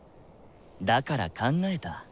だから考えた。